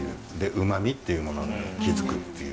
うまみっていうものに気付くっていう。